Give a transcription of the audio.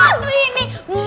hmm terima kasih